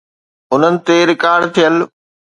انهن تي رڪارڊ ٿيل.